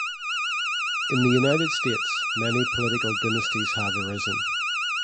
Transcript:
In the United States, many political dynasties have arisen.